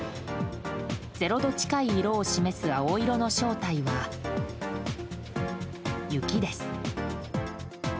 ０度近い色を示す青色の正体は、雪です。